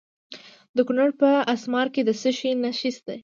د کونړ په اسمار کې د څه شي نښې دي؟